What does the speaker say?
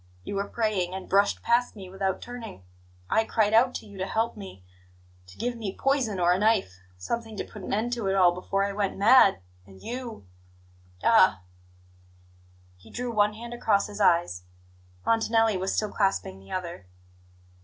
You were praying, and brushed past me without turning. I cried out to you to help me to give me poison or a knife something to put an end to it all before I went mad. And you ah !" He drew one hand across his eyes. Montanelli was still clasping the other.